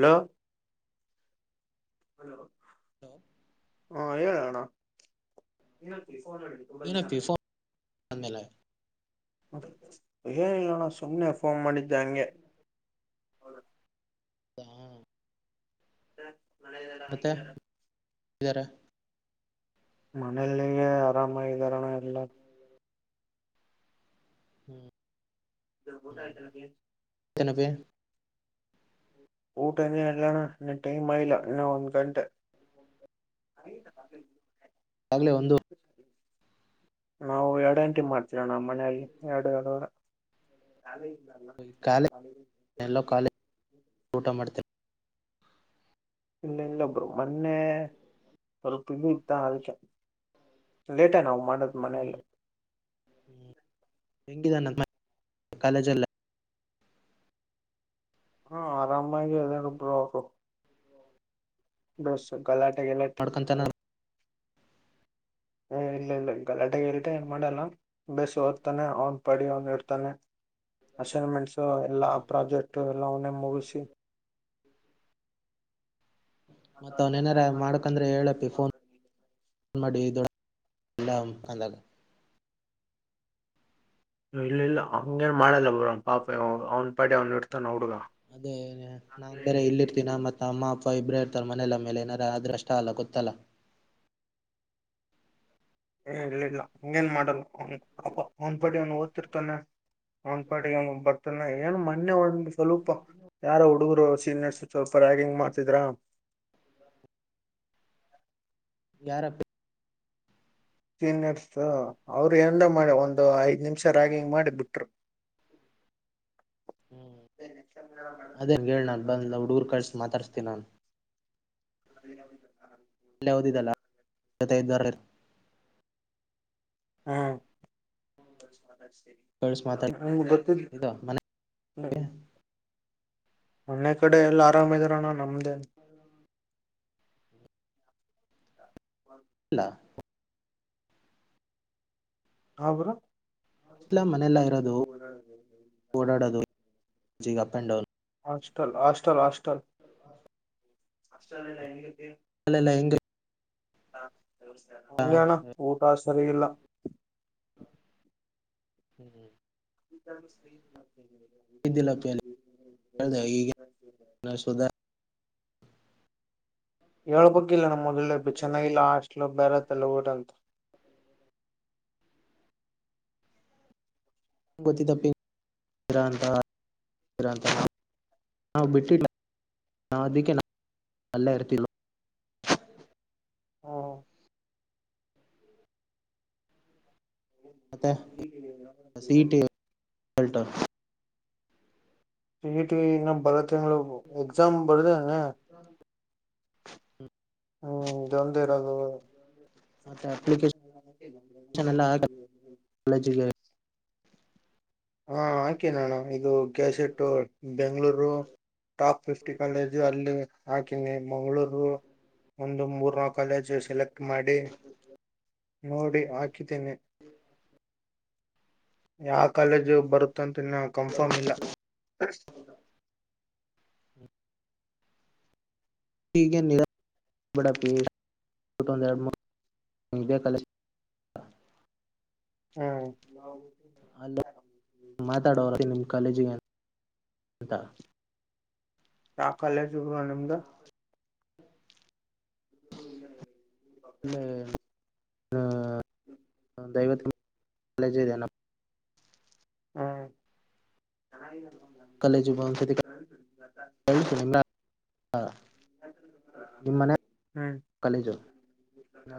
Low hello ಹಾ ಹೇಳನ ನೀಿ ಫೋನ್ ನಿ ತುಂಬಲ್ಲಿ ಚ ಅನ್ನಲೆ ಏನಿಲ್ಲ ನೋಡ ಸುಮ್ಮನೆ ಫೋನ್ ಮಾಡಿದ್ದ ಹಂಗೆ. [inaudible] ಹ್ಮ. [unintelligible] ಯರ ಮನೇೆಯಲ್ಲಿಗ ಆರಾಮಾಗ ಇದಾರಣ ಎಲ್ಲ [inaudible] ಗದ ಇತರ ಇನ್ನವೇ ಊಟನೇ ಇಲ್ಲಣ ಇನ್ನ ಟೈಮ್ ಆಯಿಲ್ಲ ಇನ್ನ ಒಂದ್ ಗಂಟೆ ಆಯತ ಆಗಲೇ ಒಂದು ನಾವು ಎರಡು ಗಂಟಿ ಮಾಡ್ತೀರೋ ನಮ್ಮ ಮನೆಯಲ್ಲಿ ಎರಡು ಎರಡ [inaudible] ಕಾಲೇಜ್ ಎಲ್ಲೋ ಕಾಲೇಜ್ ಊಟ ಮಾಡ್ತೇನೆ ಇಲ್ಲ ಇಲ್ಲೊಬ್ರು ಮೊನ್ನೆ ಸ್ವಲ್ಪ ಇಲ್ಲ ಇತ್ತ ಅ ಲೇಟಾ ನಾವು ಮಾಡದ್ ಮನೇಲ್ಲ ಬೆಂಗಿದಾನ ಕಾಲೇಜಲ್ಲ ಹ್ಮ ಆರಾಮಾಗಿ ಅೊಬ್ರು ಅವರು ಬಸ ಗಲಾಟೆ ಗಲಾಟೆ ಮಾಡ್ಕೊಂತಾನ ಏ ಇಲ್ಲ ಇಲ್ಲ ಗಡೆ ಇಲ್ದೆ ಏನ್ ಮಾಡಲ್ಲ ಬಸ್ ಓದ್ತಾನೆ ಅವನ್ ಪಡಿ ಅವನ್ ಇಡ್ತಾನೆ ಅಸೈನ್ಮೆಂಟ್ಸ ಎಲ್ಲಾ ಪ್ರಾಜೆಕ್ಟ್ ಎಲ್ಲವನ್ನೇ ಮುಗಿಸಿ ಅ ಮತ್ತ ಅ ಅವನೇನಾರ ರಾಯ ಮಾಡಕಂದ್ರೆ ಅಲ್ಲಾಮ ಅಲ್ಲ ಇಲ್ಲ ಇಲ್ಲ ಹಂಗೇನ್ ಮಾಡಲ್ಲ ಬ ಅವ ಪಾಪ ಅವ್ನ್ ಪಾ ಅವ್ನ ಇಡ್ತಾನ ಹುಡುಗ ಅದೇ ನಾನ್ ಬೇರ ಇಲ್ಲಿರ್ತೀನ ಮತ್ತ ಅಮ್ಮ ಅ ವೈಬ್ರೇ ಇರ್ತಾರ ಮನೆಯಲ ಮೇಲೆ ಏನಾರ ಆದ್ರಷ್ಟ ಅಲ್ಲ ಗೊತ್ತಲ್ಲ ಏ ಇಲ್ಲ ಇಲ್ಲ ಹಂಗೇನ್ ಮಾಡಲ್ಲ ಅ ಒಂದ್ ಪ ಒ ರ್ತಾನೆ ಒಂದ್ ಪಾಟಿಗೆ ಬರ್ತಾನೆ ಏನು ಮೊನ್ನೆ ಒಂದ ಸ್ವಲ್ಪ ಯಾರ ಹುಡುಗ ಸೀ ನಡ್ಸ ಸ್ವಲ್ಪ ರಾಗಿಂಗ್ ಮಾಡ್ತಿದ್ರ ಗಾರ ಸೀನಿಯರ್ಸ್ ಅವರು ಂದ ಮಾಡಿ ಒಂದು ಐದ್ ನಿಮಿಷ ರ್ಯಾಗಿಂಗ್ ಮಾಡಿ ಬಿಟ್ರು ಎನಕ್ಕೆಂದ ನ ಅದೇ ಹೇಳ ನಂದಿಯಣ ನಾನ್ ಅ ಬಂದ್ ಹುಡುಗರು ಕಳ್ಸಿ ಮಾತಾಡ್ಸ್ತೀನಿ ನಾನು ಹದ ಎಲ್ಲ ಓದಿದಲ್ಲಾ ಹಾ ಕಳ್ಸಿ ಮಾತಾಡ ಹ ಗೊತ್ತ ಇದು ಮನೆ ಹ್ಮ್ ಮೊನ್ನೆ ಕಡೆ ಎಲ್ಲ ಆರಾಮ ಇದರಣಾ ನಮ್ದೇನೆ ಇಲ್ಲ ಹಾ ಬರ ಇಲ್ಲ ಮನೆಯಲ್ಲ ಇರೋದು ಗ ಅಪ್ ಅಂಡ್ ಡೌನ್ ಹಾಲ್ ಹಲ್ ಹ ಅಲ್ಲಲ್ಲ ಹೆಂಗ ಅಂಗಾನ ಊಟಾ ಸರಿ ಇಲ್ಲ ಹ್ಮ ಈ ಸ ವ್ದಿ ಲಪ್ಪಲ್ಲಿ ಈ ಸುಧಾ ಹೇಳ್ಬೇಕಿಲ್ಲ ನಮ್ಮ ಮಗಲ್ಲ ಚೆನ್ನೈಲ್ಲ ಅಷ್ಟ ಎಲ ಬೇರೆ ತಲುಗಟ ಅಂತ [inaudible] [inaudible] [inaudible] ಹ್ಮ್ [inaudible] [inaudible] ಎಸಾಮ್ ಬದ ಮತ್ತೆ ಅಪ್ಲಿಕೇಶನ್ ಎಲ್ಲ ಹಾಕಿ [unintelligible] [inaudible] [inaudible] ಕಾಲೇಜಿಗೆ ಹಾ ಹಾಕನಣ್ಣ ಇದು cassette Bengaluru top fifty college ಅಲ್ಲಿ ಹಾಕಿನಿ ಮಂಗಳೂರ್ ಒಂದು ಮೂರ್ನ ಕಾಲೇಜು ಸೆಲೆಕ್ಟ್ ಮಾಡಿ ನೋಡಿ ಹಾಕಿದ್ದೇನೆ [inaudible] ಯಾವ ಕಾಲೇಜು ಬರು [unintelligible] ಇ ಕಂಫರ್ಮ್ ಇಲ್ಲ [inaudible] [unintelligible] ಕಲಶ ಹ್ಮ್ ಅಲ್ಲ ಮಾತಾಡೋರ ನಿಮ್ಮ ಕಾಲೇಜಿಗೆ ಅಂತ ಯ ಕಾಲೇಜು ಬ್ರೋ ನಿಮ್ದ [inaudible] [inaudible] [inaudible] ದೈವ [unintelligible] ಹ್ಮ್ [inaudible] ನಿಮ್ಮನೆ ಹ್ಮ್ ಹ್ಮ್ ಕಲೇಜುಲ್ಲಿಂತ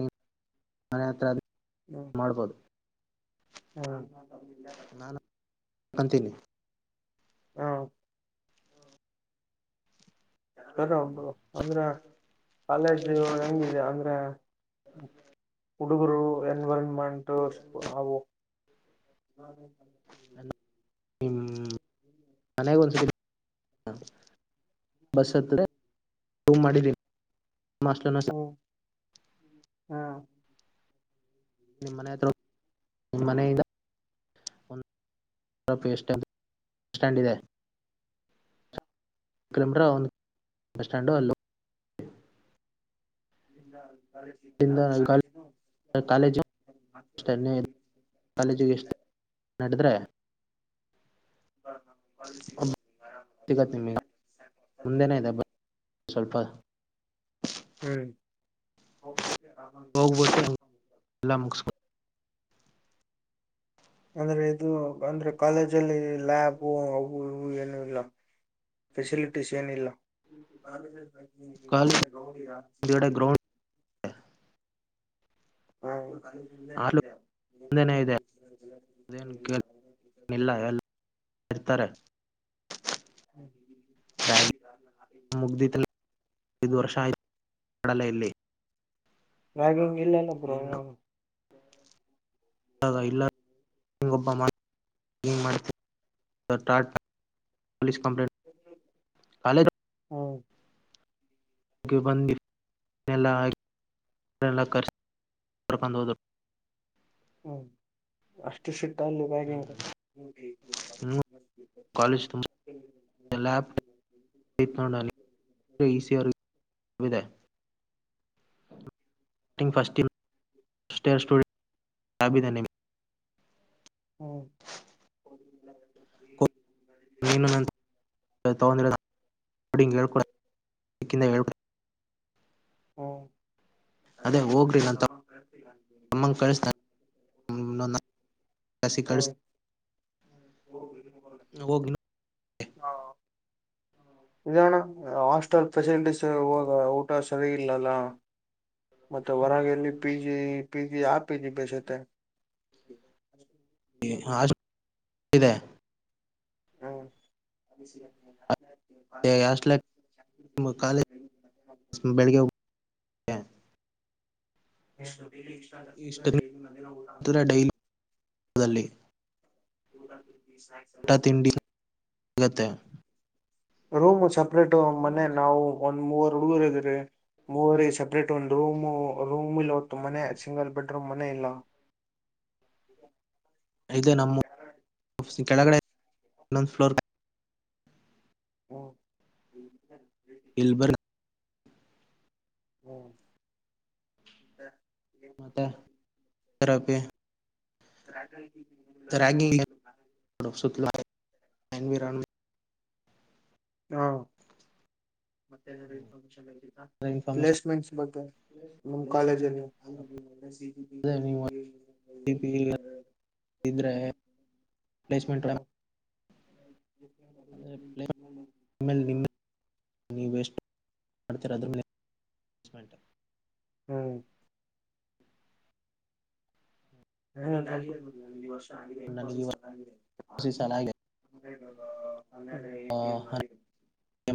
ನೀ [unintelligible] ಮನೆ ಹತ್ರ ಮಾಡ್ಬೋದು ನಾನ್ [inaudible] ಅಂತೀನಿ [inaudible] [unintelligible] ಅಂದ್ರೆ ಕಾಲೇಜು ಹೆಂಗಿದೆ ಅಂದ್ರೆ ಹುಡುಗರು ಎನ್ವಿರನ್ಮೆಂಟ್ ಅವು [unintelligible] [inaudible] ಹ್ಮ್ [inaudible] [inaudible] [inaudible] [inaudible] ಇಲ್ಲ [inaudible] ಕಾಲೇಜ್ [inaudible] ಸಿಗತ್ [inaudible] ನಿಮಗೆ ಮುಂದೆನೆ ಇದೆ ಬ ಸ್ವಲ್ಪ [inaudible] ಹ್ಮ್ [unintelligible] ಅಂದ್ರೆ ಇದು ಅಂದ್ರೆ ಕಾಲೇಜ ಅಲ್ಲಿ ಲ್ಯಾಬು ಅವು ಇವು ಏನು ಇಲ್ಲ ಫೆಸಿಲಿಟೀಸ್ ಏನಿಲ್ಲ [inaudible] ಕಾಲೇಜ್ ಹಿಂದ್ಗಡೆ ಗ್ರೌಂಡ್ ಹಾ ಆಲು ಮುಂದೆನೆ ಇದೆ ಅದೇನ್ [unintelligible] ಕೇಳಿಲ್ಲ ಎಲ್ಲ ಇರ್ತಾರೆ ಹ ಕಡಲ ಇಲ್ಲಿ ರಾಗ್ ಇಲ್ಲಲ್ಲ ಒಬ್ಬರೂ ಆ ಇಲ್ಲ ಹಂಗೊಬ್ಬ ಹಂಗ ಮಾಡತ ಪೋಲಿಸ್‌ ಕಂಪ್ಲೇಟ್ಕ ಕಾಲೇಜ್ ಹ್ಮ್ ಹಾಗೆ ಬಂದಿ ನೆಲ್ಲ ಹಾಗೆ ಎಲ್ಲಾ ಕರ್ಸಿ ಕರ್ಕೊಂಡ ಹೊದ್ರು ಹ್ಮ್ ಅಷ್ಟ ಸಿಟ್ಟ ಕಲ್ಲು ಬಾಗಿನ ಹ್ಮ್ ಲ್ಯಾಪ್ಟಾಪ್ಪ್ ಇಟ್ಕೊಂಡು ಹೋಗಿ ಈಸಿಯಾಗಿ ಇದೆ ಸ್ಟಾರ್ಟಿಂಗ್ ಫಸ್ಟ್ ಇಯರ್ ಸ್ಟುಡೆಂಟ್ ಅಭಿದನ್ಯ ಹ್ಮ್ ಓ ನೀನು ನನ್ ತಗೊಂಡಿರ ಡಿಕೊಂಡಿಗ್ ಹೇಳಿಕೊಡಕಿ ಹು ಅದೇ ಹೋಗ್ರಿ ನನ್ ತಮ್ಮಂಗ್ [unintelligible] ಕಸಿ ಕಳಸ್ [unintelligible] ಹೋಗ ಇನ್ ಇದಣ್ಣ ಹಾಸ್ಟೆಲ್ ಫೆಸಿಲಿಟೀಸ್ ಇವಾಗ ಊಟ ಸರಿ ಇಲ್ಲಲ್ಲ ಮತ್ತೆ ಹೊರಗೆಲ್ಲಿ ಪಿ ಜಿ ಪಿ ಜಿ ಯಾವ ಪಿ ಜಿ ಬೇಷತೆ ಹಾಸ್ಟೆಲ್ ಇದೆ ಹ ಏ ಹಾಸ್ಟೇಲ್ ಯಾಕ್ ಕಾಲೇಜ ಬೆಳಿಗ್ಗೆ ಹೋಗಿ ಇಷ್ಟೊತ್ತಿಗೆ ಡೈಲಿ ಅಲ್ಲಿ [unintelligible] [unintelligible] ಎಲ್ಲ ಊಟ ತಿಂಡಿ ಸಿಗುತ್ತೆ. ಆಗತ್ತೆ ರೂಮ್ ಸಪ್ರೇಟ್ ಮನೆ ನಾವು ಒಂದ್ ಮೂವರ್ ಹುಡುಗರುದರಿ ಮೂವರಿ ಸಪ್ರೇಟ್ ವೊಂದು ರೂಮ್ ರೂಮ್ ಇಲ್ ಹೊತ್ತು ಮನೆ ಸಿಂಗಲ್ ಬೆಡ್ರೂಮ್ ಮನೆ ಇಲ್ಲ ಇದು ನಮ್ಮಫ ಕೆಳಗಡೆ ಇನ್ನೊಂದು ಫ್ಲೋರ್ ಹು ಇಲ್ಬರ್ ಹ ಮತ್ತ ರಬ್ಬಿ [unintelligible] ರಾಗಿಂಗ ನಮ್ಮ ಸುತ್ತಲೂ ಏನ್ವಿರಾನಮೆಂಟ್ ಹಾ ಮತ್ತ ಏನರ ಎನ್ವಿರಾನ್ಮೆಂಟ್ ಇನ್ಪಾರಮೇಶನ್ ಬೇಕಿತ್ತಾ ಇನ್ಫಾರ್ಮೇಶನ್ ಪ್ಲೇಸ್ಮೆಂಟ್ಸ್ ಬಗ್ಗೆ ನಮ್ ಕಾಲೇಜಲ್ಲಿ ಹೌದು [unintelligible] ಇದ್ರೆ ಅಡ್ವಟೈಸ್ಮೆಂಟ್ ಹ್ಮ್ [unintelligible] ಆದರೆ ಪ್ಲೇ ನಿಮ್ಮ ನೀವು ವೇಸ್ಟ್ ಮಾಡ್ತೀರ ಅದ್ರ ಮೇಲೆ ಸ್ಮೆಂಟ್ ಹ್ ನನಗೆ ಈ ಸಾಲ ಆಗಿದೆ [inaudible]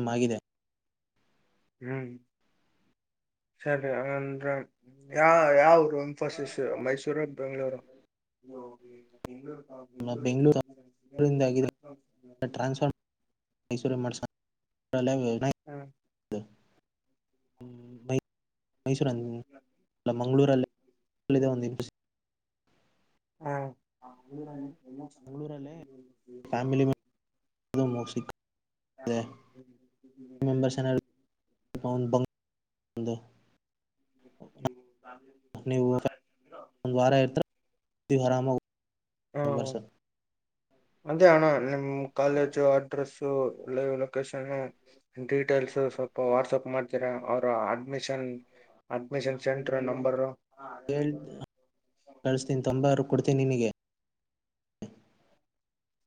ಎಂ ಆಗಿದೆ ಹ್ಮ್ ಸರಿ ಅಂದ್ರ ಯ ಯಾವ ಇಫಸ ಮೈಸೂರು ಬೆಂಗ್ಗಳೂರು ನಮ್ಮ ಬೆಂಗಳೂರು ಟ್ರಾನ್ಸ್ಫಾರ್ಮ ಮೈಸೂರು ಮಾಡ್ಸ ಹ್ಮ್ ಮೈಸೂರಲ್ಲ ಮಂಗಳೂರಲ್ಲಿ ಒಂದು ಹ್ಮ ಬೆಂಗಳೂರಲ್ಲಿ ಫ್ಯಾಮಿಲಿ ಸರಿ ಸಿಕ್ಕಿದೆ [unintelligible] [inaudible] ಒಂದ [inaudible] [unintelligible] ನೀವು ಒಂದ ವಾರ ಇರ್ತರ ಆರಾಮಾಗ [inaudible] ಒಂದ‌ ಹ್ಮ್ ವರ್ಷ ಅದೇ ಅಣ್ಣ ನಿಮ್ college address live location details ಸ್ವಲ್ಪ ವಾಟ್ಸಪ್ ಮಾಡ್ತೀರ ಅವರು ಅಡ್ಮಿಷನ್ ಅಡ್ಮಿಷನ್ ಸೆಂಟರ್ ನಂಬರ್ ಕೇಳ್ ಕಳ್ಸ್ತೀನಿ ತೊಂಬಾರು ಕೊಡ್ತೀನಿ ನಿಮಗೆ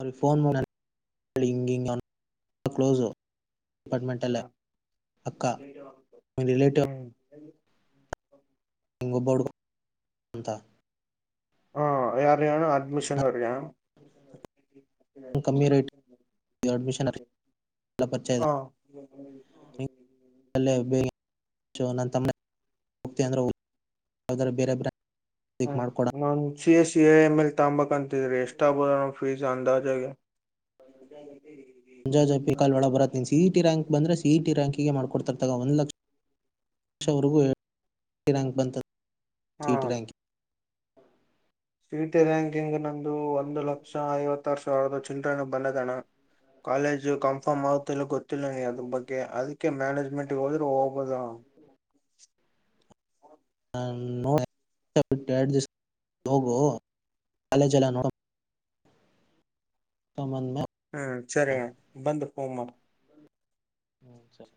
ಅವ್ರ ಫೋನ್ ಮಾಡ ಹಿ ಕ್ಲೋಸು [inaudible] ಡಿಪಾರ್ಟ್ಮೆಂಟ್ ಅಲ್ಲೇ ಅಕ್ಕ ನಿಮ್ಮ ರಿಲೇಟಿವ್ ಹ್ಮ್ ಹಂಗೊಬ್ಬಡ್ ಅಂತ ಹಾ ಯಾರ ಯನು ಅಡ್ಮಿಷನ್ ನಾನು ಅವರಿಗ ಕಮ್ಮಿ ರೇಟ್ ಅಡ್ಮಿಷನ್ ಎಲ್ಲ ಪರಿಚಯ ಇದೆ ಹಾ ನಿಂಗೆ ಅಲ್ಲೇ [inaudible] ನ ತಮ್ಮ ಹೋಗಂದ್ರ ಬರೆ [unintelligible] ಹ್ಮ ನಾನ್ ಸಿ ಎ ಸಿ ಎ ಏ ಎಮ್ ಎಲ್ ತಗಂಬೇಕ್ ಅಂತಿದ್ರಿ ಎಷ್ಟ ಆಬೋದ ಪೀಸು ಅಂದಜಾಗೆ ಮುಂಜಾಜ ಪಿ ಕಾಲ್ ಹ ಮಾಡ್ಕೊಡ್ತರ್ತ [inaudible] ಒಂದು ಲಕ್ಷ [inaudible] ಲವರೆಗೂ ರಂಕ್ ಬಂತ ಸಿ ಹಾ ಇ ಟಿ [inaudible] ಸಿಇಟಿ ರಾಕಿಂಗ್ ನಂದು ಒಂದು ಲಕ್ಷ ಐವತ್ತಾರು ಸಾವಿರದ ಚಿಲ್ಡ್ರನ್ ಬಂದೈತೆ ಅಣ್ಣಾ ಕಾಲೇಜ್ ಕನ್ಫರ್ಮ್ ಆಗತಿಲ್ಲ ಗೊತ್ತಿಲ್ಲ ನನಗ ಅದ್ರ ಬಗ್ಗೆ ಅದಕ್ಕೆ ಮ್ಯಾನೇಜ್ಮೆಂಟ್ಗೆ ಹೋದ್ರರು ಹೋಗ್ದ [inaudible] ನ ನೋ ಬಿಟ್ಟ ಎಡು ದ ಹೋಗು [inaudible] ಕಾಲೇಜ ಎಲ್ಲಾ ನೋಡಿಕೊಂಡು ತಮ್ಮನ್ ಹ್ಮ್ ಸರಿಣ್ಣ ಬಂದು ಹೋಮ್ಮ ಹ್ಮ್ ಸರಿ